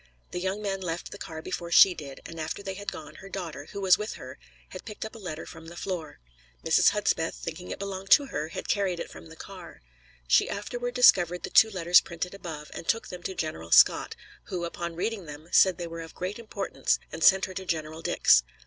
The young men left the car before she did, and after they had gone her daughter, who was with her, had picked up a letter from the floor. Mrs. Hudspeth, thinking it belonged to her, had carried it from the car. She afterward discovered the two letters printed above, and took them to General Scott, who, upon reading them, said they were of great importance, and sent her to General Dix.